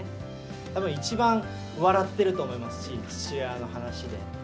たぶん一番笑っていると思いますし、父親の話で。